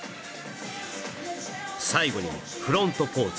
最後にフロントポーズ